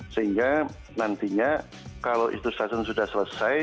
sehingga nantinya kalau itu stasiun sudah selesai